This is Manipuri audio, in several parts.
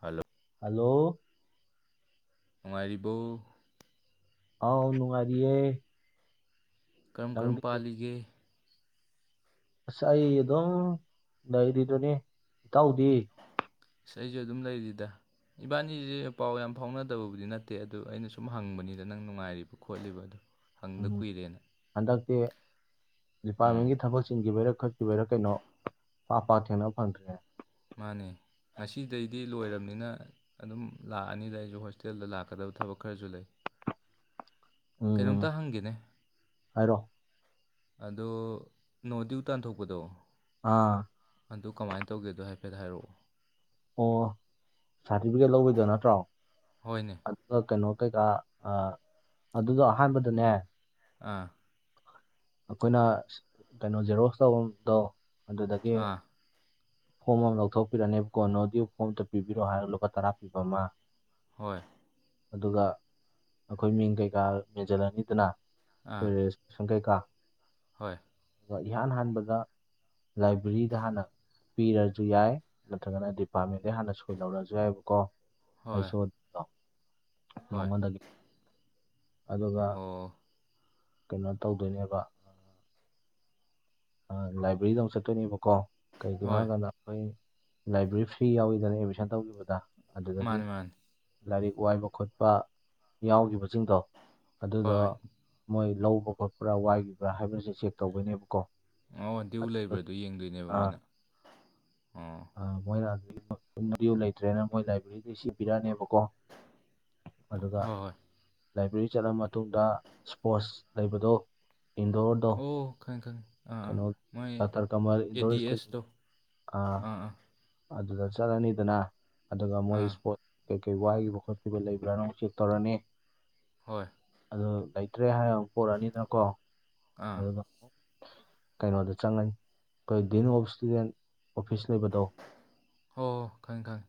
ꯍꯜꯂꯣ ꯍꯜꯂꯣ ꯅꯨꯡꯉꯥꯏꯔꯤꯕꯧ ꯑꯥꯎ ꯅꯨꯡꯉꯥꯏꯔꯤꯌꯦ ꯀꯔꯝ ꯀꯔꯝ ꯅꯪꯗꯤ ꯄꯥꯜꯂꯤꯒꯦ ꯑꯁ ꯑꯩ ꯑꯗꯨꯝ ꯂꯩꯔꯤꯗꯨꯅꯦ ꯏꯇꯥꯎꯗꯤ ꯑꯩꯁꯨ ꯑꯗꯨꯝ ꯂꯩꯔꯤꯗ ꯏꯕꯥꯅꯤꯁꯦ ꯄꯥꯎ ꯌꯥꯝ ꯐꯥꯎꯅꯗꯕꯕꯨꯗꯤ ꯅꯠꯇꯦ ꯑꯗꯨ ꯑꯩꯅ ꯁꯨꯝ ꯍꯪꯕꯅꯤꯗ ꯅꯪ ꯅꯨꯡꯉꯥꯏꯔꯤꯕ ꯈꯣꯠꯂꯤꯕ ꯑꯗꯨ ꯍꯪꯗ ꯎꯝ ꯀꯨꯏꯔꯦꯅ ꯍꯟꯗꯛꯇꯤ ꯎꯝ ꯗꯤꯄꯥꯔꯠꯃꯦꯟꯒꯤ ꯊꯕꯛ ꯆꯤꯟꯈꯤꯕꯩꯔ ꯈꯪ ꯁꯤꯚꯔꯥ ꯀꯩꯅꯣ ꯄꯥ ꯄꯥꯛ ꯊꯦꯡꯅꯕ ꯐꯪꯗ꯭ꯔꯤꯌꯦ ꯃꯥꯅꯦ ꯉꯁꯤꯗꯩꯗꯤ ꯂꯣꯏꯔꯕꯅꯤꯅ ꯑꯗꯨꯝ ꯂꯥꯛꯑꯅꯤꯗ ꯑꯩꯁꯨ ꯍꯣꯁꯇꯦꯜꯗ ꯂꯥꯛꯀꯗꯕ ꯊꯕꯛ ꯈꯔꯁꯨ ꯂꯩ [unintelligible] ꯎꯝ ꯀꯩꯅꯣꯝꯇ ꯍꯪꯒꯦꯅꯦ ꯍꯥꯏꯔꯣ ꯑꯗꯣ ꯅꯣ ꯗꯤꯌꯨ ꯇꯥꯟ ꯊꯣꯛꯄꯗꯣ ꯑꯥ ꯑꯗꯨ ꯀꯃꯥꯏꯅ ꯇꯧꯒꯦꯗꯣ ꯍꯥꯏꯐꯦꯠ ꯍꯥꯏꯔꯛꯑꯣ ꯑꯣ ꯁꯥꯔꯇꯤꯐꯤꯀꯦꯠ ꯂꯧꯕꯩꯗꯣ ꯅꯠꯇ꯭ꯔꯣ ꯍꯣꯏꯅꯦ ꯑꯗꯨꯒ ꯀꯩꯅꯣ ꯀꯩꯀꯥ ꯑꯗꯨꯗꯣ ꯑꯍꯥꯟꯕꯗꯅꯦ ꯑꯥ ꯑꯩꯈꯣꯏꯅ ꯀꯩꯅꯣ ꯖꯦꯔꯣꯁ ꯇꯧꯕꯗꯣ ꯑꯗꯨꯗꯒꯤ ꯑꯥ ꯐꯣꯝ ꯑꯃ ꯂꯧꯊꯣꯛꯄꯤꯔꯅꯦꯕ ꯀꯣ ꯅꯣꯗꯤꯌꯨ ꯐꯣꯝ ꯑꯝꯇ ꯄꯤꯕꯤꯔꯛꯑꯣ ꯍꯥꯏꯔꯣ ꯂꯨꯄꯥ ꯇꯔꯥ ꯄꯤꯕ ꯑꯃ ꯍꯣꯏ ꯑꯗꯨꯒ ꯑꯩꯈꯣꯏ ꯃꯤꯡ ꯀꯩꯀꯥ ꯃꯦꯟꯁꯤꯜꯂꯅꯤꯗꯅ ꯑꯥ ꯑꯩꯈꯣꯏ ꯔꯦꯁ ꯁꯪ ꯀꯩꯀꯥ ꯍꯣꯏ ꯑꯗꯨꯒ ꯏꯍꯥꯟ ꯍꯥꯟꯕꯗ ꯂꯥꯏꯕ꯭ꯔꯦꯔꯤꯗ ꯍꯥꯟꯅ ꯄꯤꯔꯁꯨ ꯌꯥꯏ ꯅꯠꯇ꯭ꯔꯒꯅ ꯍꯥꯏꯗꯤ ꯄꯥꯔꯃꯤꯠꯇ ꯍꯥꯟꯅ ꯁꯣꯏ ꯂꯧꯔꯁꯨ ꯌꯥꯏꯕꯀꯣ ꯍꯣꯏ ꯍꯩꯁ ꯑꯣ ꯗꯤ ꯗꯣ ꯍꯣꯏ ꯃꯉꯣꯟꯗꯒꯤ ꯑꯗꯨꯒ ꯑꯣ ꯀꯩꯅꯣ ꯇꯧꯗꯣꯏꯅꯦꯕ ꯂꯥꯏꯕ꯭ꯔꯦꯔꯤꯗ ꯑꯃꯨꯛ ꯆꯠꯇꯣꯏꯅꯦꯕꯀꯣ ꯀꯩꯒꯤꯅꯣ ꯍꯣꯏ ꯍꯥꯏꯀꯥꯟꯗ ꯑꯩꯈꯣꯏ ꯂꯥꯏꯕ꯭ꯔꯦꯔꯤ ꯐ꯭ꯔꯤ ꯌꯥꯎꯋꯤꯗꯅ ꯑꯦꯠꯃꯤꯁꯟ ꯇꯧꯈꯤꯕꯗ ꯑꯗꯨꯗꯒꯤ ꯃꯥꯅꯦ ꯃꯥꯅꯦ ꯂꯥꯏꯔꯤꯛ ꯋꯥꯏꯕ ꯈꯣꯠꯄ ꯌꯥꯎꯈꯤꯕꯁꯤꯡꯗꯣ ꯍꯣꯏ ꯑꯗꯨꯗꯣ ꯍꯣꯏ ꯃꯣꯏ ꯂꯧꯕ ꯈꯣꯠꯄ꯭ꯔꯥ ꯋꯥꯏꯈꯤꯕ꯭ꯔꯥ ꯍꯥꯏꯕꯁꯦ ꯆꯦꯛ ꯇꯧꯕꯩꯅꯦꯕ ꯀꯣ ꯑꯣ ꯗꯤꯌꯨ ꯂꯩꯕ꯭ꯔꯥ ꯗꯣ ꯌꯦꯡꯗꯣꯏꯅꯦꯕ ꯃꯣꯏꯅ ꯑꯣ ꯃꯣꯏ ꯗꯤꯌꯨ ꯂꯩꯇ꯭ꯔꯦꯅ ꯂꯥꯏꯕ꯭ꯔꯦꯔꯤꯗꯩ ꯆꯦ ꯑꯃ ꯕꯤꯔꯛꯑꯅꯦꯕꯀꯣ ꯑꯗꯨꯒ ꯍꯣꯏ ꯍꯣꯏ ꯂꯥꯏꯕ꯭ꯔꯦꯔꯤ ꯆꯠꯂ ꯃꯇꯨꯡꯗ ꯏꯁꯄꯣꯠꯁ ꯂꯩꯕꯗꯣ ꯏꯟꯗꯣꯔꯗꯣ ꯑꯣ ꯈꯪꯉꯦ ꯈꯪꯉꯦ ꯑꯥ ꯑꯥ ꯀꯩꯅꯣ ꯃꯣꯏ ꯗꯥꯛꯇꯔ ꯀꯃꯜ ꯏꯟꯗꯣꯔ ꯑꯦꯗꯤ ꯑꯦꯁ ꯗꯣ ꯏꯁꯇꯦꯗꯤꯌꯝ ꯑꯥ ꯑꯥ ꯑꯗꯨꯗ ꯆꯠꯂꯅꯤꯗꯅ ꯑꯗꯨꯒ ꯃꯣꯏ ꯑꯥ ꯏꯁꯄꯣꯠ ꯀꯩꯀꯩ ꯋꯥꯠꯂꯤꯕ ꯈꯣꯠꯈꯤꯕ ꯂꯩꯕ꯭ꯔꯥꯅꯥ ꯑꯃꯨꯛ ꯆꯦꯛ ꯇꯧꯔꯅꯤ ꯍꯣꯏ ꯑꯗꯨ ꯂꯩꯇ꯭ꯔꯦ ꯍꯥꯏꯔ ꯑꯃꯨꯛ ꯄꯔꯛꯑꯅꯤꯗꯅꯀꯣ ꯑꯥ ꯑꯗꯨꯒ ꯀꯩꯅꯣꯗ ꯆꯪꯉꯅꯤ ꯑꯩꯈꯣꯏ ꯗꯤꯟ ꯑꯣꯞ ꯏꯁꯇꯨꯗꯦꯟ ꯑꯣꯐꯤꯁ ꯂꯩꯕꯗꯣ ꯍꯣ ꯍꯣ ꯈꯪꯉꯦ ꯈꯪꯉꯦ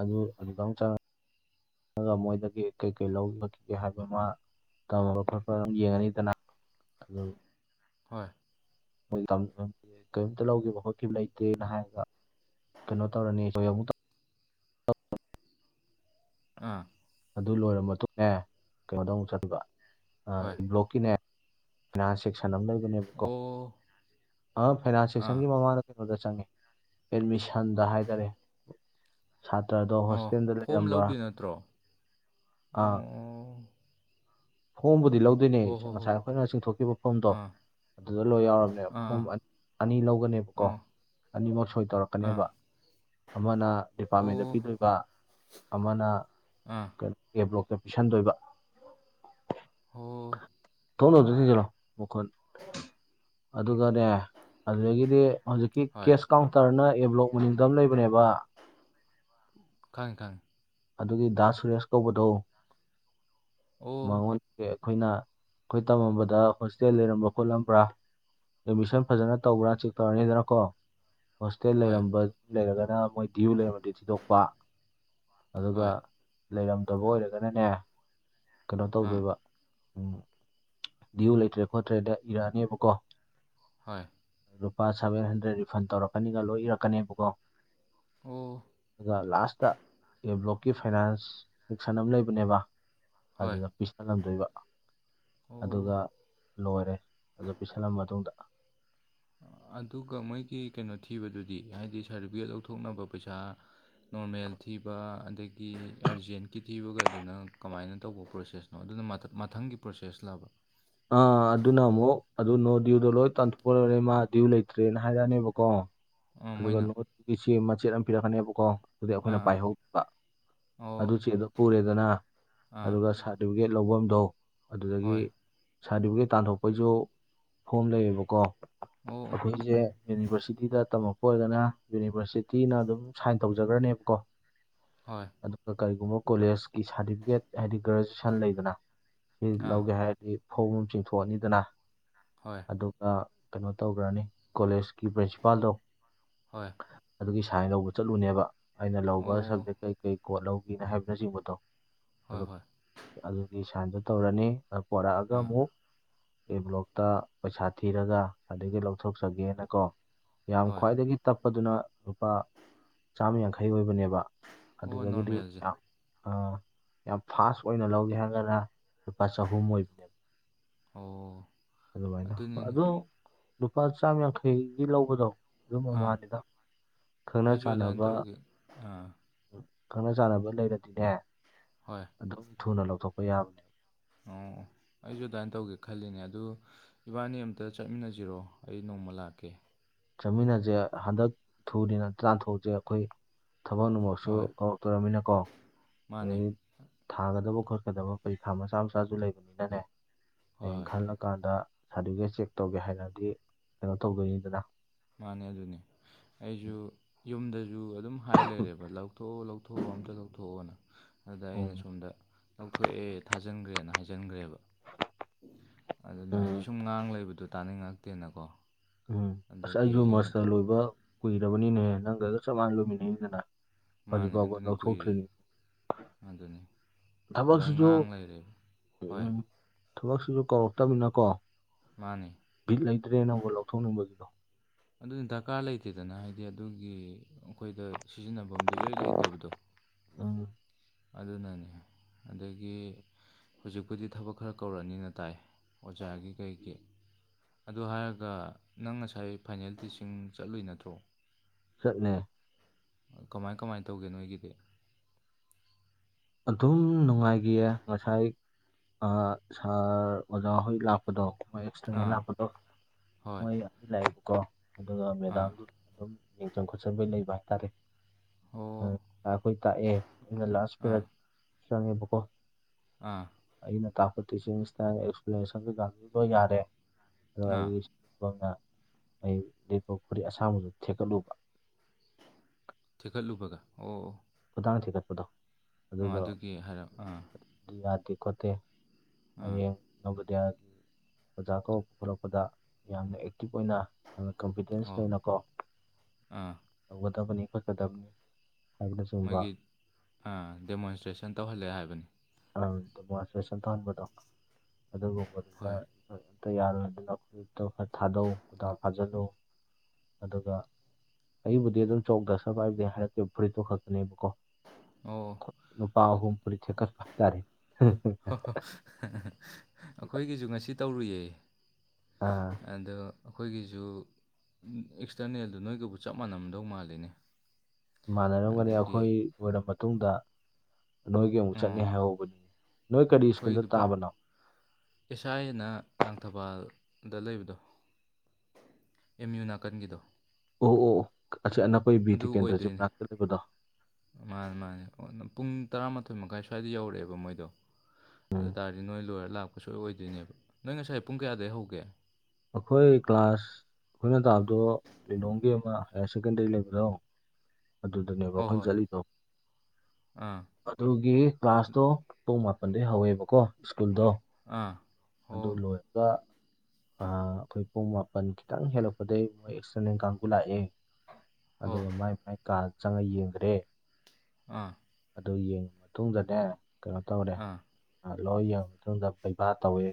ꯑꯗꯨ ꯑꯗꯨꯗ ꯑꯃꯨꯛ ꯆꯪ ꯆꯪꯑꯒ ꯃꯣꯏꯗꯒꯤ ꯀꯩꯀꯩ ꯂꯧꯈꯤꯕ ꯀꯩꯒꯩ ꯍꯥꯏꯕ ꯑꯃ ꯇꯝꯃꯒ ꯈꯣꯠꯄ ꯑꯗꯨꯝ ꯌꯦꯡꯉꯅꯤꯗꯅ ꯍꯥꯜꯂꯣ ꯍꯣꯏ ꯀꯔꯤꯝꯇ ꯂꯧꯈꯤꯕ ꯈꯣꯠꯈꯤꯕ ꯂꯩꯇꯦꯅ ꯍꯥꯏꯔꯒ ꯀꯩꯅꯣ ꯇꯧꯔꯅꯤ ꯑꯩꯈꯣꯏ ꯑꯃꯨ [inaudible] ꯑꯥ ꯑꯗꯨ ꯂꯣꯏꯔꯕ ꯃꯇꯨꯡꯅꯦ ꯀꯩꯅꯣꯗꯧꯨꯛ ꯆꯠꯕ ꯍꯣꯏ ꯏꯕ꯭ꯂꯣꯛꯀꯤꯅꯦ ꯅꯥꯤꯛꯅ ꯑꯃ ꯂꯩ ꯑꯣ ꯐꯥꯏꯅꯥꯟ ꯑꯥ ꯁꯁꯟꯒꯤ ꯃꯃꯥꯡꯗ ꯀꯩꯅꯣꯗ ꯆꯪꯉꯦ ꯑꯦꯗꯃꯤꯁꯟꯗ ꯍꯥꯏꯇꯥꯔꯦ ꯁꯥꯇ꯭ꯔꯗꯣ ꯑꯣ ꯍꯣꯁꯇꯦꯜꯗ ꯐꯣꯝ ꯂꯩꯔꯝꯕ꯭ꯔꯥ ꯂꯧꯗꯣꯏ ꯅꯠꯇ꯭ꯔꯣ ꯑꯥ ꯑꯣ ꯐꯣꯝꯕꯨꯗꯤ ꯂꯧꯗꯣꯏꯅꯦ ꯍꯣ ꯍꯣ ꯍꯣ ꯉꯁꯥꯏ ꯑꯩꯈꯣꯏꯅ ꯆꯤꯡꯊꯣꯛꯈꯤꯕ ꯐꯣꯝꯗꯣ ꯑꯥ ꯑꯗꯨꯗ ꯂꯣꯏ ꯌꯥꯎꯔꯕꯅꯦ ꯑꯥ ꯄꯨꯝ ꯑꯅꯤ ꯂꯧꯒꯅꯦꯕꯀꯣ ꯑꯥ ꯑꯅꯤꯃꯛ ꯁꯣꯏ ꯇꯧꯔꯛꯀꯅꯦꯕ ꯑꯃꯅ ꯑꯣ ꯗꯤꯄꯥꯔꯠꯃꯦꯟꯗ ꯑꯥ ꯑꯣ ꯄꯤꯗꯣꯢꯕ ꯑꯃꯅ ꯑꯥ ꯀꯩ ꯑꯦ ꯕ꯭ꯂꯣꯛꯇ ꯄꯤꯁꯟꯗꯣꯏꯕ ꯑꯣ ꯊꯣꯡꯗꯣ ꯑꯝꯇ ꯊꯤꯁꯤꯜꯂꯣ ꯃꯈꯣꯟ ꯑꯗꯨꯒꯅꯦ ꯑꯗꯨꯗꯒꯤꯗꯤ ꯍꯧꯖꯤꯛꯀꯤ ꯍꯣꯏ ꯀꯦꯁ ꯀꯥꯎꯟꯇꯔꯅ ꯑꯦ ꯕ꯭ꯂꯣꯛ ꯃꯅꯤꯡꯗ ꯑꯃ ꯂꯩꯕꯅꯦꯕ ꯈꯪꯉꯦ ꯈꯪꯉꯦ ꯑꯗꯨꯒꯤ ꯗꯥꯁ ꯁꯨꯔꯦꯁ ꯀꯧꯕꯗꯣ ꯑꯣ ꯃꯉꯣꯟ ꯑꯩꯈꯣꯏꯅ ꯑꯩꯈꯣꯏ ꯇꯝꯃꯝꯕꯗ ꯍꯣꯁꯇꯦꯜ ꯂꯩꯔꯝꯕ ꯈꯣꯠꯂꯝꯕ꯭ꯔꯥ ꯑꯦꯗꯃꯤꯁꯟ ꯐꯖꯅ ꯇꯧꯕ꯭ꯔꯥ ꯆꯦꯛ ꯇꯧꯔꯅꯤꯗꯅ ꯀꯣ ꯍꯣꯁꯇꯦꯜ ꯍꯣꯏ ꯂꯩꯔꯝꯕ ꯂꯩꯔꯒꯅ ꯃꯣꯏ ꯗ꯭ꯌꯨ ꯂꯩꯔꯝꯕꯗꯤ ꯊꯤꯗꯣꯛꯄ ꯑꯗꯨꯒ ꯍꯣꯏ ꯂꯩꯔꯝꯗꯕ ꯑꯣꯏꯔꯒꯅꯅꯦ ꯀꯩꯅꯣ ꯑꯥ ꯇꯧꯗꯣꯏꯕ ꯎꯝ ꯗꯤꯌꯨ ꯂꯩꯇ꯭ꯔꯦ ꯈꯣꯠꯇ꯭ꯔꯦꯗ ꯏꯔꯛꯑꯅꯦꯕ ꯀꯣ ꯍꯣꯏ ꯂꯨꯄꯥ ꯁꯚꯦꯟ ꯍꯟꯗ꯭ꯔꯦꯗ ꯔꯤꯐꯟ ꯇꯧꯔꯛꯀꯅꯤꯒ ꯂꯣꯏ ꯏꯔꯛꯀꯅꯦꯕꯀꯣ ꯑꯣ ꯑꯗꯨ ꯂꯥꯁꯥꯁ ꯑꯦꯕ꯭ꯂꯣ ꯀꯤ ꯐꯥꯏꯅꯥꯟꯁ ꯁꯦꯛꯁꯟ ꯑꯃ ꯂꯩꯕꯅꯦꯕ ꯍꯣꯏ ꯑꯗꯨꯗ ꯄꯤꯁꯍꯜꯂꯝꯗꯣꯏꯕ ꯑꯗꯨꯒ ꯑꯣ ꯂꯣꯏꯔꯦ ꯑꯗꯨ ꯄꯤꯁꯜꯂ ꯃꯇꯨꯡꯗ ꯑ ꯑꯗꯨꯒ ꯃꯣꯏꯒꯤ ꯀꯩꯅꯣ ꯊꯤꯕꯗꯨꯗꯤ ꯍꯥꯏꯗꯤ ꯁꯥꯔꯗꯤꯕꯤꯀꯦꯠ ꯂꯧꯊꯣꯛꯅꯕ ꯄꯩꯁꯥ ꯅꯣꯔꯃꯦꯜ ꯊꯤꯕ ꯑꯗꯗꯒꯤ ꯒꯤꯤ ꯑꯥꯔꯖꯦꯟꯀꯤ ꯊꯤꯕꯒꯗꯨꯅ ꯀꯃꯥꯏꯅ ꯇꯧꯕ ꯄ꯭ꯔꯣꯁꯦꯁꯅꯣ ꯑꯗꯨꯅ ꯃꯊ ꯃꯊꯪꯒꯤ ꯄ꯭ꯔꯣꯁꯦꯁ ꯂꯕ ꯑꯥ ꯑꯗꯨꯅ ꯑꯃꯨꯛ ꯑꯗꯨ ꯅꯣ ꯗ꯭ꯌꯨꯗꯣ ꯂꯣꯏ ꯇꯥꯟꯊꯣꯛꯄ ꯂꯣꯏꯔꯦ ꯃꯥ ꯗ꯭ꯌꯨ ꯂꯩꯇ꯭ꯔꯦꯅ ꯍꯥꯏꯔꯛꯑꯅꯦꯕꯀꯣ ꯑꯥ ꯑꯗꯨꯒ ꯃꯣꯏꯅ ꯅꯍꯨꯠꯀꯤ ꯆꯦ ꯃꯆꯦꯠ ꯑꯝ ꯄꯤꯔꯛꯀꯅꯦꯕꯀꯣ ꯑꯗꯨꯗꯤ ꯑꯥ ꯑꯩꯈꯣꯏꯅ ꯑꯥ ꯄꯥꯏꯍꯧꯕ ꯑꯣ ꯑꯗꯨ ꯆꯦꯗꯣ ꯄꯨꯔꯦꯗꯅ ꯑꯥ ꯑꯗꯨꯒ ꯁꯥꯔꯇꯤꯐꯤꯀꯦꯠ ꯂꯐꯝꯗꯣ ꯑꯗꯨꯗꯒꯤ ꯍꯣꯏ ꯁꯥꯔꯇꯤꯐꯤꯀꯦꯠ ꯇꯥꯟꯊꯣꯛꯄꯩꯁꯨ ꯐꯣꯝ ꯂꯩꯌꯦꯕꯀꯣ ꯑꯣ ꯑꯩꯈꯣꯏꯁꯦ ꯌꯨꯅꯤꯚꯔꯁꯤꯇꯤꯗ ꯇꯝꯃꯛꯄ ꯑꯣꯏꯔꯒꯅ ꯌꯨꯅꯤꯚꯔꯁꯤꯇꯤꯅ ꯑꯗꯨꯝ ꯁꯥꯏꯟ ꯇꯧꯖꯈ꯭ꯔꯅꯦꯕꯀꯣ ꯍꯣꯏ ꯑꯗꯨꯒ ꯀꯔꯤꯒꯨꯝꯕ ꯀꯣꯂꯦꯖꯀꯤ ꯁꯥꯔꯗꯤꯐꯤꯀꯦꯠ ꯍꯥꯏꯗꯤ ꯒ꯭ꯔꯦꯁꯟ ꯂꯩꯗꯅ ꯁꯤ ꯑꯥ ꯂꯧꯒꯦ ꯍꯥꯏ ꯑ ꯐꯧꯝ ꯆꯤꯡꯊꯣꯛꯑꯅꯤꯗꯅ ꯍꯣꯏ ꯑꯗꯨꯒ ꯀꯩꯅꯣ ꯇꯧꯒꯔꯅꯤ ꯀꯣꯂꯦꯖꯀꯤ ꯄ꯭ꯔꯤꯟꯁꯤꯄꯥꯜꯗꯣ ꯍꯣꯏ ꯑꯗꯨꯒꯤ ꯁꯥꯏꯟ ꯂꯧꯕ ꯆꯠꯂꯨꯅꯦꯕ ꯑꯩꯅ ꯂꯧꯕ ꯑꯣ ꯁꯕꯖꯦꯛ ꯀꯩ ꯀꯩ ꯀꯣꯠ ꯂꯧꯒꯦꯅ ꯍꯥꯏꯕꯅꯆꯤꯡꯕꯗꯣ ꯍꯣꯏ ꯑꯗꯨ ꯍꯣꯏ ꯑꯗꯨꯒꯤ ꯁꯥꯏꯟꯗꯣ ꯇꯧꯔꯅꯤ ꯑ ꯄꯣꯔꯛꯑꯒ ꯑꯥ ꯑꯃꯨꯛ ꯑꯦ ꯕ꯭ꯂꯣꯛꯇ ꯄꯩꯁꯥ ꯊꯤꯔꯒ ꯑꯗꯒꯤ ꯂꯧꯊꯣꯛꯆꯒꯦꯅꯀꯣ ꯌꯥꯝ ꯍꯣꯏ ꯈ꯭ꯋꯥꯏꯗꯒꯤ ꯇꯞꯄꯗꯨꯅ ꯂꯨꯄꯥ ꯆꯥꯝꯃ ꯌꯥꯡꯈꯩ ꯑꯣꯏꯕꯅꯦꯕ ꯑꯣ ꯑꯗꯨꯗꯒꯤꯗꯤ ꯅꯣꯔꯃꯦꯜꯁꯦ ꯌꯥꯝ ꯑꯥ ꯌꯥꯝ ꯐꯥꯁ ꯑꯣꯏꯅ ꯂꯧꯒꯦ ꯍꯥꯏꯔꯒꯅ ꯂꯨꯄꯥ ꯆꯍꯨꯝ ꯑꯣꯏꯕꯅꯦꯕ ꯑꯣ ꯑꯗꯨꯃꯥꯏꯅ ꯑꯗꯨꯅꯤꯅꯦ ꯑꯗꯣ ꯂꯨꯄꯥ ꯆꯥꯝ ꯌꯥꯡꯈꯩꯒꯤ ꯂꯧꯕꯗꯣ ꯑꯗꯨꯝ ꯑꯥ ꯃꯃꯅꯤꯗ ꯈꯪꯅ ꯑꯩꯁꯨ ꯑꯗꯨꯃꯥꯏꯅ ꯆꯥꯟꯅꯕ ꯇꯧꯒꯦ ꯑꯥ ꯎ ꯈꯪꯅ ꯆꯥꯟꯅꯕ ꯂꯩꯔꯗꯤꯅꯦ ꯍꯣꯏ ꯑꯗꯨꯝ ꯊꯨꯅ ꯂꯧꯊꯣꯛꯄ ꯌꯥꯕꯅꯤ ꯑꯣ ꯑꯣ ꯑꯣ ꯑꯩꯖꯨ ꯑꯗꯥꯏꯟ ꯇꯧꯒꯦ ꯈꯜꯂꯤꯅꯦ ꯑꯗꯨ ꯏꯕꯥꯅꯤ ꯑꯃꯝꯇ ꯆꯠꯃꯤꯟꯅꯁꯤꯔꯣ ꯑꯩ ꯅꯣꯡꯃ ꯂꯥꯛꯀꯦ ꯆꯠꯃꯤꯟꯅꯁꯦ ꯍꯟꯗꯛ ꯊꯣꯛꯑꯗꯤ ꯇꯥꯟꯊꯣꯛꯁꯦ ꯑꯩꯈꯣꯏ ꯊꯕꯛ ꯅꯨꯡꯃꯛꯁꯨ ꯍꯣꯏ ꯀꯧꯔꯛꯇꯔꯃꯤꯅꯀꯣ ꯃꯥꯅꯦ ꯑꯗꯒꯤ ꯊꯥꯒꯗꯕ ꯈꯣꯠꯀꯗꯕ ꯄꯔꯤꯈꯥ ꯃꯆꯥ ꯃꯆꯥꯁꯨ ꯂꯩꯕꯅꯤꯅꯅꯦ ꯍꯣꯏ ꯑꯝ ꯍꯣꯏ ꯈꯜꯂ ꯀꯥꯟꯗ ꯁꯥꯔꯇꯤꯐꯤꯀꯦꯠ ꯆꯦꯛ ꯇꯧꯒꯦ ꯍꯥꯏꯅꯗꯤ ꯀꯩꯅꯣ ꯇꯧꯗꯣꯏꯅꯤꯗꯅ ꯃꯥꯅꯦ ꯑꯗꯨꯅꯦ ꯑꯩꯁꯨ ꯌꯨꯝꯗꯁꯨ ꯑꯗꯨꯝ ꯍꯥꯏ ꯂꯩꯔꯦꯕ ꯂꯧꯊꯣꯛ ꯂꯧꯊꯣꯛ ꯊꯑꯣ ꯑꯝꯇ ꯂꯧꯊꯣꯛꯑꯣꯅ ꯑꯗꯨꯗ ꯑꯩꯅ ꯎꯝ ꯁꯣꯝꯗ ꯂꯧꯊꯣꯛꯑꯦ ꯊꯥꯖꯤꯟꯈ꯭ꯔꯦꯅ ꯍꯥꯏꯖꯤꯟꯈ꯭ꯔꯦꯕ ꯑꯗꯨꯅ ꯑꯩꯗꯤ ꯎꯝ ꯁꯨꯝ ꯉꯥꯡ ꯂꯩꯕꯗꯣ ꯇꯥꯅꯤꯡꯉꯛꯇꯦꯅꯀꯣ ꯎꯝ ꯑꯁ ꯑꯗꯨꯒꯤ ꯑꯩꯁꯨ ꯑꯩꯅ ꯃꯥꯁꯇꯔ ꯂꯣꯏꯕ ꯀꯨꯏꯔꯕꯅꯤꯅꯦ ꯅꯪꯒꯒ ꯆꯞ ꯃꯥꯟꯅ ꯂꯣꯏꯃꯤꯟꯅꯩꯅꯤꯗꯅ ꯍꯧꯖꯤ ꯃꯥꯅꯦ ꯄꯕꯥ ꯅ ꯑꯗꯨꯅꯤ ꯁꯣ ꯀꯨꯏꯔꯦ ꯊꯅꯤ ꯑꯗꯨꯅꯤ ꯑꯗꯨꯃꯥꯏ ꯉꯥꯡ ꯂꯩꯔꯦꯕ ꯍꯣꯏ ꯎꯝ ꯊꯕꯛꯁꯤꯁꯨ ꯀꯧꯔꯛꯇꯝꯅꯤꯅꯀꯣ ꯃꯥꯅꯤ ꯕꯤꯠ ꯂꯩꯇ꯭ꯔꯦ ꯅꯪꯕꯨ ꯂꯧꯊꯣꯛꯅꯤꯡꯕꯒꯤꯗꯣ ꯑꯗꯨꯗꯤ ꯗꯀꯥꯔ ꯂꯩꯇꯦꯗꯅ ꯍꯥꯏꯗꯤ ꯑꯗꯨꯒꯤ ꯑꯩꯈꯣꯏꯗ ꯁꯤꯖꯤꯟꯅꯐꯝ ꯏꯔꯩ ꯂꯩꯇꯕꯗꯣ ꯑ ꯑꯗꯨꯅꯅꯦ ꯑꯗꯒꯤ ꯍꯧꯖꯤꯛꯄꯨꯗꯤ ꯊꯕꯛ ꯈꯔ ꯀꯧꯔꯛꯑꯅꯤꯅ ꯇꯥꯏ ꯑꯣꯖꯥꯒꯤ ꯀꯩꯒꯤ ꯑꯗꯨꯗ ꯍꯥꯏꯔꯒ ꯅꯪ ꯉꯁꯥꯏ ꯐꯥꯏꯅꯦꯜꯇꯤꯁꯤꯡ ꯆꯠꯂꯨꯏ ꯅꯠꯇ꯭ꯔꯣ ꯆꯠꯅꯦ ꯀꯃꯥꯏ ꯀꯃꯥꯏ ꯇꯧꯒꯦ ꯅꯣꯏꯒꯤꯗꯤ ꯑꯗꯨꯝ ꯅꯨꯡꯉꯥꯏꯈꯤꯌꯦ ꯉꯁꯥꯏ ꯁꯥꯔ ꯑꯣꯖꯥꯍꯣꯏ ꯂꯥꯛꯄ ꯗꯣ ꯃꯣꯏ ꯑꯦꯛꯁꯇ꯭ꯔꯅꯦꯜ ꯑꯥ ꯂꯥꯛꯄꯗꯣ ꯍꯣꯏ ꯃꯣꯏ ꯑꯅꯤ ꯂꯥꯛꯑꯦꯕꯀꯣ ꯑꯗꯨꯒ ꯑꯥ ꯃꯦꯗꯥꯝꯗꯨ ꯑꯗꯨꯝ ꯌꯦꯡꯖꯟ ꯈꯣꯠꯆꯟꯕꯩ ꯂꯩꯕ ꯍꯥꯏꯇꯥꯔꯦ ꯑꯣ ꯍꯣꯏ ꯑꯈꯣꯏ ꯇꯥꯛꯑꯦ ꯑꯩꯅ ꯂꯥꯁ ꯑꯥ ꯄꯦꯔꯠ ꯆꯪꯉꯦꯕꯀꯣ ꯑꯥ ꯑꯩꯅ ꯇꯥꯛꯄ ꯇꯤꯆꯤꯡ ꯏꯁꯇꯥꯜ ꯑꯦꯛꯄꯦꯟꯅꯦꯁꯟ ꯀꯩꯀꯥ ꯂꯣꯏ ꯌꯥꯔꯦ ꯑꯗꯨꯒ ꯑꯥ ꯑꯩꯒꯤ ꯕꯪꯒ ꯑꯩ ꯂꯤꯠꯄ ꯐꯨꯔꯤꯠ ꯑꯁꯥꯡꯕꯗꯨ ꯊꯦꯛꯀꯠꯂꯨꯕ ꯊꯤꯈꯠꯂꯨꯕꯒ ꯑꯣ ꯑꯣ ꯈꯨꯗꯅ ꯊꯤꯒꯠꯄꯗꯣ ꯑꯣ ꯑꯗꯨꯒꯤ ꯍꯥꯏꯔꯞ ꯑꯥ ꯌꯥꯗꯦ ꯈꯣꯠꯇꯦ ꯑꯥ ꯍꯌꯦꯡ ꯅꯣꯚꯣꯗꯤꯌꯥ ꯑꯣꯖꯥ ꯀꯧꯔꯛꯄ ꯈꯣꯠꯂꯛꯄꯗ ꯌꯥꯝꯅ ꯑꯦꯛꯇꯤꯞ ꯑꯣꯏꯅ ꯌꯥꯝꯅ ꯀꯟꯐꯤꯗꯦꯟꯁ ꯑꯣ ꯂꯩꯅꯀꯣ ꯑꯥ ꯇꯧꯒꯗꯕꯅꯤ ꯈꯣꯠꯀꯗꯕꯅꯤ ꯍꯥꯏꯕꯗꯨꯁ ꯃꯣꯏꯒꯤ ꯗꯦꯃꯣꯟꯁꯇ꯭ꯔꯦꯁꯟ ꯇꯧꯍꯜꯂꯦ ꯍꯥꯏꯕꯅꯤ ꯎꯝ [unintelligible] ꯇ꯭ꯔꯦꯁꯟ ꯇꯥꯟꯕꯗꯣ ꯑꯗꯨꯒꯨꯝꯕꯗꯨꯗ ꯍꯣꯏ ꯑꯝꯇ ꯌꯥꯜꯗꯅ ꯑꯩꯈꯣꯏꯇ ꯈꯔ ꯊꯥꯗꯧ ꯈꯨꯗꯥ ꯐꯥꯖꯤꯜꯂꯨ ꯑꯗꯨꯒ ꯑꯩꯕꯨꯗꯤ ꯑꯗꯨꯝ ꯆꯣꯛꯗ ꯁꯅ ꯄꯥꯏꯕꯗꯤ ꯍꯥꯏꯔꯛꯀꯦꯕ ꯐꯨꯔꯤꯠꯇꯣ ꯈꯛꯇꯅꯦꯕꯀꯣ ꯑꯣ ꯑꯩꯈꯣꯏ ꯅꯨꯄꯥ ꯑꯍꯨꯝ ꯐꯨꯔꯤꯠ ꯊꯦꯀꯠꯄ ꯍꯥꯏꯇꯥꯥꯔꯦ ꯑꯣ ꯑꯩꯈꯣꯏꯒꯤꯁꯨ ꯉꯁꯤ ꯇꯧꯔꯨꯏꯌꯦ ꯑꯥ ꯑꯗꯣ ꯑꯩꯈꯣꯏꯒꯤꯁꯨ ꯑꯦꯛꯁꯇꯔꯅꯦꯜꯗꯨ ꯅꯣꯏꯒꯕꯨ ꯆꯞ ꯃꯥꯟꯅꯝꯗꯧ ꯃꯥꯜꯂꯤꯅꯦ ꯃꯥꯟꯅꯔꯝꯒꯅꯤ ꯑꯗꯒꯤ ꯑꯩꯈꯣꯏ ꯂꯣꯏꯔ ꯃꯇꯨꯡꯗ ꯅꯣꯏꯒꯤ ꯑꯃꯨꯛ ꯑꯣ ꯆꯠꯅꯤ ꯍꯥꯏꯍꯧꯕꯅꯤ ꯅꯣꯏ ꯀꯔꯤ ꯁ꯭ꯀꯨꯜꯗ ꯇꯥꯕꯅꯣ ꯏꯁꯥ ꯑꯅ ꯂꯥꯡꯊꯕꯥꯜꯗ ꯂꯩꯕꯗꯣ ꯑꯦꯝ ꯌꯨ ꯅꯥꯀꯟꯒꯤꯗꯣ ꯑꯣ ꯑꯣ ꯑꯆꯥꯅ ꯑꯗꯨ ꯑꯣꯏꯗꯣꯏꯅꯤ ꯃꯥꯅꯦ ꯃꯥꯅꯦ ꯑꯣ ꯑꯗꯨꯅ ꯄꯨꯡ ꯇꯔꯥꯃꯥꯊꯣꯏ ꯃꯈꯥꯏ ꯁ꯭ꯋꯥꯏꯗ ꯌꯧꯔꯛꯑꯦꯕ ꯃꯣꯏꯗꯣ ꯎꯝ ꯑꯗꯨ ꯇꯥꯔꯗꯤ ꯅꯣꯏ ꯂꯣꯏꯔ ꯂꯥꯛꯄ ꯁꯣꯏ ꯑꯣꯏꯗꯣꯏꯅꯦꯕ ꯅꯣꯏ ꯉꯁꯥꯏ ꯄꯨꯡ ꯀꯌꯥꯗꯩ ꯍꯧꯒꯦ ꯑꯈꯣꯏ ꯀ꯭ꯂꯥꯁ ꯑꯩꯈꯣꯏꯅ ꯇꯥꯕꯗꯣ ꯂꯤꯂꯣꯡꯒꯤ ꯑꯃ ꯍꯥꯌꯔ ꯁꯦꯀꯦꯟꯗꯔꯤ ꯂꯩꯕꯗꯣ ꯑꯗꯨꯗꯨꯅꯦ ꯍꯣꯏ ꯋꯥꯈꯜ ꯍꯣꯏ ꯆꯠꯂꯤꯗꯣ ꯑꯥ ꯑꯗꯨꯒꯤ ꯀ꯭ꯂꯥꯁꯇꯣ ꯄꯨꯡ ꯃꯥꯄꯜꯗꯩ ꯍꯧꯋꯦꯕꯀꯣ ꯁ꯭ꯀꯨꯜꯗꯣ ꯑꯥ ꯑꯗꯨ ꯍꯣ ꯂꯣꯏꯔꯒ ꯑ ꯑꯩꯈꯤꯏ ꯄꯨꯡ ꯃꯥꯄꯜ ꯈꯤꯇꯪ ꯍꯦꯜꯂꯛꯄꯗꯒꯤ ꯃꯣꯏ ꯑꯦꯛꯁꯇꯔꯅꯦꯜ ꯀꯥꯡꯒꯨ ꯂꯥꯛꯑꯦ ꯍꯣ ꯑꯗꯨꯒ ꯃꯥꯏ ꯃꯥꯏ ꯀꯥꯗ ꯆꯪꯉ ꯌꯦꯡꯈ꯭ꯔꯦ ꯎꯡꯍꯥ ꯑꯗꯨ ꯌꯦꯡꯉ ꯃꯇꯨꯡꯗꯅꯦ ꯀꯩꯅꯣ ꯇꯧꯔꯦ ꯑꯥ ꯂꯣꯏ ꯌꯦꯡꯉ ꯃꯇꯨꯡꯗ ꯄꯩꯕꯥ ꯇꯧꯋꯦ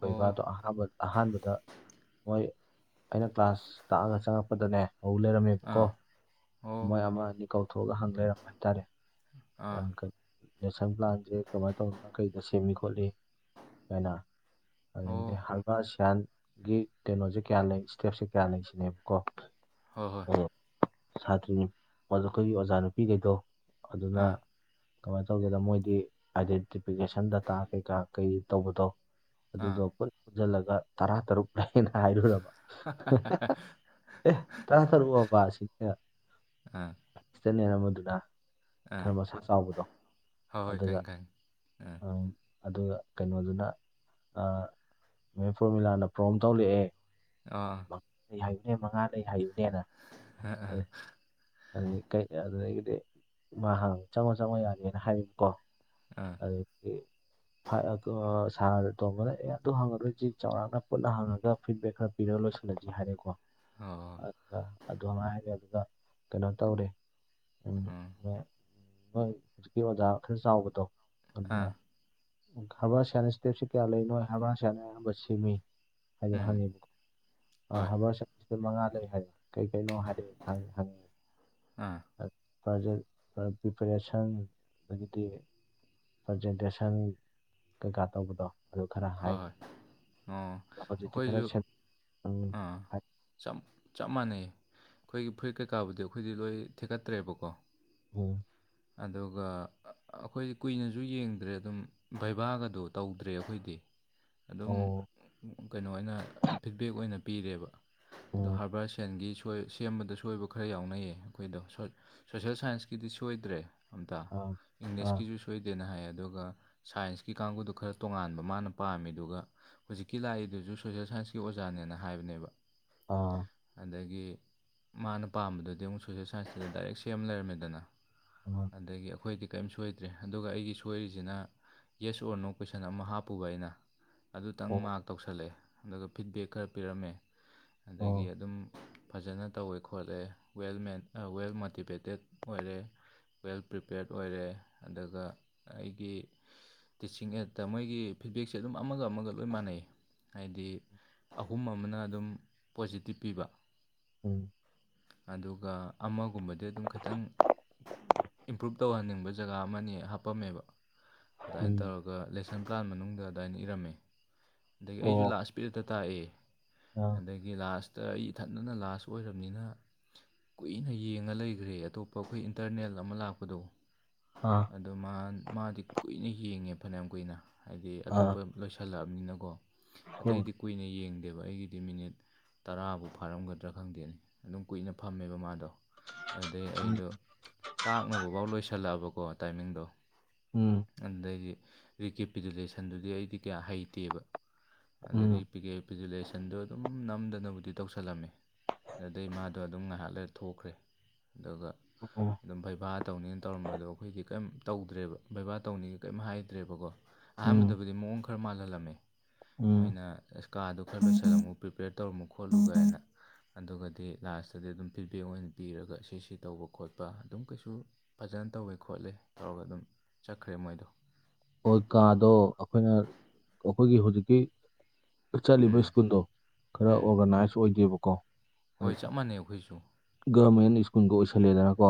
ꯍꯣ ꯑꯍꯥꯟꯕ ꯑꯍꯥꯟꯕꯗ ꯃꯣꯏ ꯑꯩꯅ ꯀ꯭ꯂꯥꯁ ꯇꯥꯛꯑꯒ ꯆꯪꯉꯛꯄ ꯑꯗꯅꯦ ꯍꯧ ꯂꯩꯔꯝꯃꯦꯕꯀꯣ ꯑꯥ ꯍꯣ ꯃꯣꯏ ꯑꯃ ꯑꯅꯤ ꯀꯧꯊꯣꯛꯑꯒ ꯍꯪ ꯂꯩꯔꯝꯕ ꯍꯥꯏꯇꯥꯔꯦ ꯅꯪ ꯑꯥ ꯅꯦꯁꯟ ꯄ꯭ꯂꯥꯟꯁꯦ ꯀꯃꯥꯏꯅ ꯇꯧꯗꯅꯣ ꯀꯩꯗ ꯁꯦꯝꯃꯤ ꯈꯣꯠꯂꯤ ꯀꯥꯏꯅ ꯑꯗꯨꯗꯒꯤꯗꯤ ꯑꯣ ꯍꯔꯕꯥꯁꯌꯥꯟ ꯒꯤꯛ ꯀꯩꯅꯣꯖꯦ ꯀꯌꯥ ꯂꯩ ꯏꯁꯇꯦꯞꯁꯦ ꯀꯌꯥ ꯂꯩ ꯁꯤꯅꯦꯕꯀꯣ ꯍꯣꯏ ꯍꯣꯏ ꯑꯗꯣ ꯁꯥꯇ꯭ꯔꯤ ꯑꯩꯈꯣꯏꯒꯤ ꯑꯣꯖꯥ ꯅꯨꯄꯤꯈꯩꯗꯣ ꯑꯗꯨꯅ ꯑꯥ ꯀꯃꯥꯏꯅ ꯇꯧꯒꯦꯗ ꯃꯣꯏꯗꯤ ꯑꯥꯏꯗꯦꯟꯇꯤꯐꯤꯀꯦꯁꯟ ꯗꯇꯥ ꯀꯩꯀꯥ ꯀꯩ ꯇꯧꯕꯗꯣ ꯑꯗꯨꯗꯣ ꯑꯥ ꯄꯨꯁꯤꯜꯂꯒ ꯇꯔꯥ ꯇꯔꯨꯛ ꯑꯩꯅ ꯍꯥꯏꯔꯨꯔꯕ ꯑꯦ ꯇꯥꯟ ꯐꯔꯕꯥꯁꯤꯅꯦ ꯑꯥ ꯏꯁꯅꯦ ꯅ ꯃꯗꯨꯅ ꯑꯥ ꯈꯔ ꯃꯁꯥꯛ ꯆꯥꯎꯕꯗꯣ ꯍꯣꯏ ꯍꯣꯏ ꯑꯗꯨꯒ ꯈꯪꯉꯦ ꯈꯪꯉꯦ ꯑꯗꯨꯒ ꯀꯩꯅꯣꯗꯨꯅ ꯃ ꯄꯔꯃꯤꯂꯥꯅ ꯄ꯭ꯔꯣꯝ ꯊꯣꯛꯂꯛꯑꯦ ꯑꯥ ꯑꯩ ꯍꯥꯏꯌꯨꯅꯦ ꯃꯉꯥ ꯂꯩ ꯍꯥꯏꯌꯨꯅꯦꯅ ꯑ ꯎ ꯑ ꯀ ꯑꯗꯨꯦ ꯃꯥ ꯍ ꯆꯪꯉꯣ ꯆꯪꯉꯣ ꯌꯥꯅꯤꯦꯅ ꯍꯥꯏꯔꯤꯕꯀꯣ ꯑꯥ ꯑꯗꯨꯗꯒꯤ ꯁ ꯇꯣꯝꯕꯅ ꯑꯦ ꯑꯗꯨ ꯍꯪꯉꯗꯣꯏꯁꯤ ꯆꯥꯎꯔꯥꯛꯅ ꯄꯨꯟꯅ ꯍꯪꯉꯒ ꯐꯤꯗꯕꯦꯛ ꯈꯔ ꯄꯤꯔ ꯂꯣꯏꯁꯤꯜꯂꯒꯦ ꯍꯥꯏꯔꯦꯀꯣ ꯑꯣ ꯑꯣ ꯑꯗꯨꯉꯥꯏꯔꯦ ꯑꯗꯨꯒ ꯀꯩꯅꯣ ꯇꯧꯔꯦ ꯎꯝ ꯍꯣꯏ ꯍꯧꯖꯤꯛꯀꯤ ꯑꯣꯖꯥ ꯈꯔ ꯆꯥꯎꯕꯗꯣ ꯑꯥ ꯍꯣꯏ ꯍꯣꯏ ꯑꯥ ꯑꯗꯨꯅ ꯑꯥ ꯍꯕꯥ ꯁꯌꯥꯅ ꯏꯁꯇꯦꯞꯁꯤ ꯀꯌꯥ ꯂꯩꯅꯣ ꯍꯕꯥ ꯁꯅ ꯑꯌꯥꯝꯕ ꯁꯦꯝꯃꯤ ꯍꯥꯏꯗ ꯎꯝ ꯍꯪꯉꯦꯕꯀꯣ ꯍꯣꯏ ꯍꯥꯕꯔ ꯁꯇ ꯃꯉꯥꯗ ꯍꯥꯏꯔꯦ ꯀꯩꯀꯩꯅꯣ ꯍꯥꯏꯗꯤ ꯍꯪꯉꯤ ꯑꯥ ꯄ꯭ꯔꯖꯦꯛ ꯄ꯭ꯔꯤꯄꯔꯦꯁꯟ ꯑꯗꯨꯗꯤ ꯄ꯭ꯔꯖꯦꯟꯇꯦꯁꯟ ꯀꯩꯀꯥ ꯇꯧꯕꯗꯣ ꯑꯗꯨ ꯈꯔ ꯍꯣꯏ ꯍꯣꯏ ꯍꯥꯏꯈꯦ ꯑꯣ ꯍꯧꯖꯤꯛꯇꯤ ꯈꯔ ꯑꯩꯈꯣꯏꯁꯨ ꯁꯦꯝ ꯎꯝ ꯑꯥ ꯍꯥꯏ ꯆꯞ ꯆꯞ ꯃꯥꯟꯅꯩ ꯑꯩꯈꯣꯏꯒꯤ ꯐꯨꯔꯤꯠ ꯀꯩꯀꯥꯕꯨꯗꯤ ꯑꯩꯈꯣꯏꯗꯤ ꯂꯣꯏ ꯊꯦꯛꯀꯠꯇ꯭ꯔꯦꯕꯀꯣ ꯎꯝ ꯑꯗꯨꯒ ꯑꯩꯈꯣꯏꯗꯤ ꯀꯨꯏꯅꯖꯨ ꯌꯦꯡꯗ꯭ꯔꯦ ꯑꯗꯨꯝ ꯕꯩꯕꯥꯒꯗꯣ ꯇꯧꯗ꯭ꯔꯦ ꯑꯈꯣꯏꯗꯤ꯫ ꯑꯗꯨꯝ ꯑꯣ ꯀꯩꯅꯣ ꯑꯣꯏꯅ ꯐꯤꯠꯕꯦꯛ ꯑꯣꯏꯅ ꯄꯤꯔꯦꯕ ꯑꯗꯣ ꯎꯝ ꯍꯥꯔꯕꯔ ꯁꯦꯟꯒꯤ ꯍꯣꯏ ꯁꯦꯝꯕꯗ ꯁꯣꯏꯕ ꯈꯔ ꯌꯥꯎꯅꯩꯌꯦ ꯑꯩꯈꯣꯏꯗꯣ ꯁꯣꯁꯦꯜ ꯁꯥꯏꯟꯁꯀꯤꯗꯤ ꯁꯣꯏꯗ꯭ꯔꯦ꯫ ꯑꯝꯇꯥ ꯑꯥ ꯑꯥ ꯏꯪꯂꯤꯁꯀꯤꯁꯨ ꯁꯣꯏꯗꯦꯅ ꯍꯥꯏ ꯑꯗꯨꯒ ꯁꯥꯏꯟꯁꯀꯤ ꯀꯥꯡꯕꯨꯗꯣ ꯈꯔ ꯇꯣꯉꯥꯟꯕ ꯃꯥꯅ ꯄꯥꯝꯃꯤꯗꯨꯒ ꯍꯧꯖꯤꯛꯀꯤ ꯂꯥꯛꯏꯗꯨꯁꯨ ꯁꯣꯁꯦꯜ ꯁꯥꯏꯟꯁꯀꯤ ꯑꯣꯖꯥꯅꯦꯅ ꯍꯥꯏꯕꯅꯦꯕ ꯑꯥ ꯑꯗꯒꯤ ꯃꯥꯅ ꯄꯥꯝꯕꯗꯨꯗꯤ ꯑꯃꯨꯛ ꯁꯣꯁꯦꯜ ꯁꯥꯏꯟꯁꯇꯗ ꯗꯥꯏꯔꯦꯛ ꯁꯦꯝ ꯂꯩꯔꯝꯃꯦꯗꯅ ꯑꯥ ꯑꯗꯒꯤ ꯑꯩꯈꯣꯏꯗꯒꯤ ꯀꯔꯤꯝ ꯁꯣꯏꯗ꯭ꯔꯦ ꯑꯗꯨꯒ ꯑꯩꯒꯤ ꯁꯣꯏꯔꯤꯁꯤꯅ ꯌꯦꯁ ꯑꯣꯔꯅꯣ ꯀꯣꯏꯁꯟ ꯑꯃ ꯍꯥꯞꯄꯨꯕ ꯑꯩꯅ ꯑꯗꯨꯇꯪ ꯑꯣ ꯃꯥꯔꯛ ꯇꯧꯁꯜꯂꯛꯑꯦ ꯑꯗꯨꯒ ꯐꯤꯠꯕꯦꯛ ꯈꯔ ꯄꯤꯔꯝꯃꯦ ꯑꯣ ꯑꯗꯒꯤ ꯑꯗꯨꯝ ꯐꯖꯅ ꯇꯧꯋꯦ ꯈꯣꯠꯂꯦ ꯋꯦꯜ ꯋꯦꯜ ꯃꯣꯇꯤꯚꯦꯇꯦꯠ ꯑꯣꯏꯔꯦ ꯋꯦꯜ ꯄ꯭ꯔꯤꯄꯦꯔꯠ ꯑꯣꯏꯔꯦ ꯑꯗꯨꯒ ꯑꯩꯒꯤ ꯇꯤꯆꯤꯡ ꯑꯦꯠꯇ ꯃꯣꯏꯒꯤ ꯐꯤꯠꯕꯦꯛꯁꯦ ꯑꯗꯨꯝ ꯑꯃꯒ ꯑꯃꯒ ꯂꯣꯏ ꯃꯥꯟꯅꯩ ꯍꯥꯏꯗꯤ ꯑꯍꯨꯝ ꯑꯃꯅ ꯑꯗꯨꯝ ꯄꯣꯖꯤꯇꯤꯞ ꯄꯤꯕ ꯎꯝ ꯑꯗꯨꯒ ꯑꯃꯒꯨꯝꯕꯗꯤ ꯑꯗꯨꯝ ꯈꯤꯇꯪ ꯏꯝꯄ꯭ꯔꯨꯞ ꯇꯧꯍꯟꯅꯤꯡꯕ ꯖꯒꯥ ꯑꯃꯅꯤ ꯍꯥꯄꯝꯃꯦꯕ꯫ ꯑꯗꯨꯃꯥꯏꯅ ꯎꯝ ꯇꯧꯔꯒ ꯂꯦꯁꯟ ꯄ꯭ꯂꯥꯟ ꯃꯅꯨꯡꯗ ꯑꯗꯨꯃꯥꯏꯅ ꯏꯔꯝꯃꯦ꯫ ꯑꯗꯒꯤ ꯑꯩꯁꯨ ꯑꯣ ꯂꯥꯁ ꯄꯤꯔꯠꯇ ꯇꯥꯛꯑꯦ ꯑꯗꯒꯤ ꯑꯥ ꯑꯗꯒꯤ ꯂꯥꯁꯇ ꯑꯩ ꯏꯊꯟꯗꯅ ꯂꯥꯁ ꯑꯣꯏꯔꯕꯅꯤꯅ ꯀꯨꯏꯅ ꯌꯦꯡꯉ ꯂꯩꯈ꯭ꯔꯦ ꯑꯇꯣꯞꯄ ꯑꯩꯈꯣꯏ ꯏꯟꯇꯔꯅꯦꯜ ꯑꯃ ꯂꯥꯛꯄꯗꯣ ꯑꯥ ꯑꯗꯣ ꯃꯥ ꯃꯥꯗꯤ ꯀꯨꯏꯅ ꯌꯦꯡꯉꯦ ꯐꯅꯌꯥꯝ ꯀꯨꯏꯅ ꯍꯥꯏꯗꯤ ꯑꯥ ꯑꯇꯣꯞꯄ ꯂꯣꯏꯁꯤꯜꯂꯛꯑꯕꯅꯤꯅꯀꯣ ꯑꯣ ꯑꯇꯩꯗꯤ ꯀꯨꯏꯅ ꯌꯦꯡꯗꯦꯕ ꯑꯩꯒꯤꯗꯤ ꯃꯤꯅꯤꯠ ꯇꯔꯥꯕꯨ ꯐꯥꯔꯝꯒꯗ꯭ꯔꯥ ꯈꯪꯗꯦꯅꯤ ꯑꯗꯨꯝ ꯀꯨꯏꯅ ꯐꯝꯃꯦꯕ ꯃꯥꯗꯣ ꯑꯗꯨꯗꯩ ꯑꯩꯗꯣ ꯇꯥꯛꯅꯕ ꯐꯥꯎ ꯂꯣꯏꯁꯤꯜꯂꯛꯑꯕꯀꯣ ꯇꯥꯏꯃꯤꯡꯗꯣ ꯎꯝ ꯑꯗꯨꯗꯩꯗꯤ ꯔꯤꯀꯦꯄꯤꯗꯨꯂꯦꯁꯟꯗꯨꯗꯤ ꯑꯩꯗꯤ ꯀꯌꯥ ꯍꯩꯇꯦꯕ ꯑꯗ ꯎꯝ ꯚꯤꯖꯨꯂꯦꯁꯟꯗꯣ ꯑꯗꯨꯝ ꯅꯝꯗꯅꯕꯨꯗꯤ ꯇꯧꯁꯜꯂꯝꯃꯤ ꯑꯗꯨꯗꯩ ꯃꯥꯗꯣ ꯑꯗꯨꯝ ꯉꯥꯏꯍꯥꯛ ꯂꯩ ꯊꯣꯛꯈ꯭ꯔꯦ ꯑꯗꯨꯒ ꯑꯣ ꯑꯗꯨꯝ ꯕꯩꯕꯥ ꯇꯧꯅꯤꯅ ꯇꯧꯔꯝꯕꯗꯣ ꯑꯩꯈꯣꯏꯒꯤ ꯀꯩꯝ ꯇꯧꯗ꯭ꯔꯦꯕ ꯕꯩꯕꯥ ꯇꯧꯅꯤꯡꯉꯦ ꯀꯔꯤꯝ ꯍꯥꯏꯗ꯭ꯔꯦꯕꯀꯣ ꯎꯝ ꯑꯍꯥꯟꯕꯗꯕꯨꯗꯤ ꯃꯑꯣꯡ ꯈꯔ ꯃꯥꯜꯍꯜꯂꯝꯃꯤ ꯎꯝ ꯃꯣꯏꯅ ꯑꯁ ꯀꯥꯗꯨ ꯈꯔ ꯂꯣꯏ ꯁꯜꯂꯝꯃꯨ ꯄ꯭ꯔꯤꯄꯦꯌꯔ ꯇꯧꯔꯝꯨ ꯈꯣꯠꯂꯨꯒꯥꯏꯅ ꯑꯗꯨꯒꯗꯤ ꯂꯥꯁꯇꯗꯤ ꯑꯗꯨꯝ ꯐꯤꯗꯕꯦꯛ ꯑꯣꯏꯅ ꯄꯤꯔꯒ ꯁꯤ ꯁꯤ ꯇꯧꯕ ꯈꯣꯠꯄ ꯑꯗꯨꯝ ꯀꯩꯁꯨ ꯐꯖꯅ ꯇꯧꯋꯦ ꯈꯣꯠꯂꯦ ꯇꯧꯔꯒ ꯑꯗꯨꯝ ꯆꯠꯈ꯭ꯔꯦ ꯃꯣꯏꯗꯣ꯫ ꯍꯣꯏ ꯀꯥꯗꯣ ꯑꯩꯈꯣꯏꯅ ꯑꯩꯈꯣꯏꯒꯤ ꯍꯧꯖꯤꯛꯀꯤ ꯆꯠꯂꯤꯕ ꯎꯝ ꯁ꯭ꯀꯨꯜꯗꯣ ꯈꯔ ꯎꯝ ꯑꯣꯔꯒꯅꯥꯏꯁ ꯑꯣꯏꯗꯦꯕꯀꯣ ꯍꯣꯏ ꯆꯞ ꯃꯥꯟꯅꯩ ꯑꯈꯣꯏꯁꯨ꯫ ꯒꯕꯔꯃꯦꯟ ꯁ꯭ꯀꯨꯜꯒ ꯑꯣꯏꯁꯜꯂꯦꯗꯅꯀꯣ